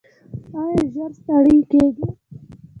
ایا ژر ستړي کیږئ؟